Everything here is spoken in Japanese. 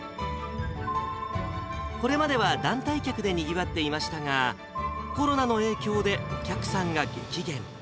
これまでは団体客でにぎわっていましたが、コロナの影響でお客さんが激減。